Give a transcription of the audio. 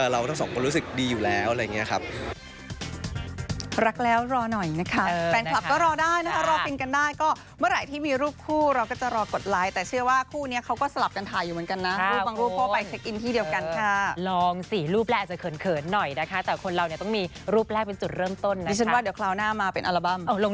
เราทั้งสองคนรู้สึกดีอยู่แล้วอะไรอย่างนี้ครับ